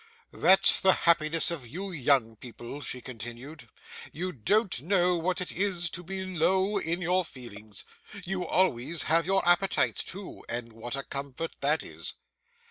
'That's the happiness of you young people,' she continued. 'You don't know what it is to be low in your feelings. You always have your appetites too, and what a comfort that is.